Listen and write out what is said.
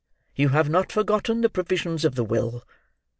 You have not forgotten the provisions of the will.